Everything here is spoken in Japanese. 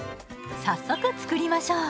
早速作りましょう。